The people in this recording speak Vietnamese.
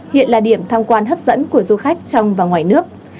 hiện là điểm tham quan hấp dẫn của du khách trong và ngoài nước